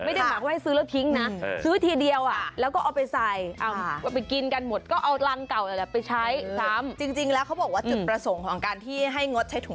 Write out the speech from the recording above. เอาเอาวิธีที่มันปฏิบัติได้จริงครับใช่ไหม